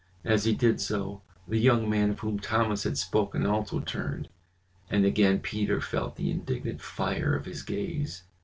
As he did so the young man of whom Thomas had spoken also turned, and again Peter felt the indignant fire of his gaze.